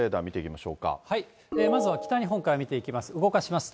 まずは北日本から見ていきます。